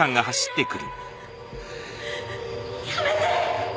やめて！